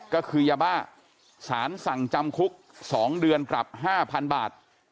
ก็คือยาบ้าสารสั่งจำคุก๒เดือนปรับ๕๐๐๐บาท